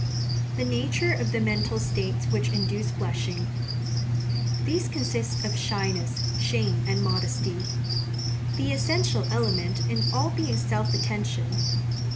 The Nature of the Mental States which induce Blushing.—These consist of shyness, shame, and modesty; the essential element in all being self attention.